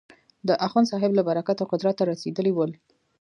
د اخوندصاحب له برکته قدرت ته رسېدلي ول.